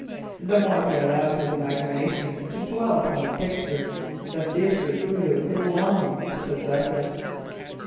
The more he allowed his imagination to dwell upon the picture, the fiercer grew his longing to possess it.